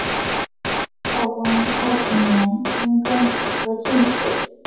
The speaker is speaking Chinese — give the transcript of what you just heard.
道光二十年中庚子科进士。